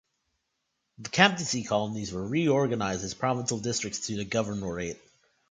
The captaincy colonies were reorganized as provincial districts to the Governorate.